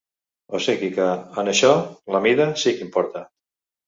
O sigui que, en això, la mida "sí que importa".